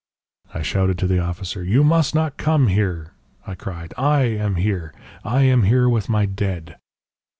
I shouted to the officer. "'You must not come here,' I cried, 'I am here. I am here with my dead.'